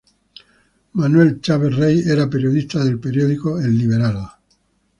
Manuel Chaves Rey era periodista del periódico "El Liberal".